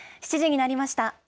７時になりました。